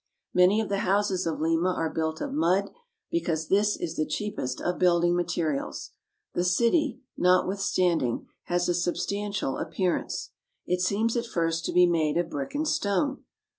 Many of the houses of Lima are built of mud, because this is the cheapest of building materials. The city, not withstanding, has a substantial appearance. It seems at first to be made of brick and stone.